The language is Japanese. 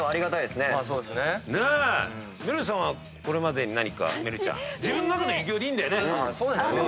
めるるさんはこれまでに何か自分の中の偉業でいいんだよね。